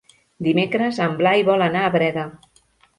Dimecres en Blai vol anar a Breda.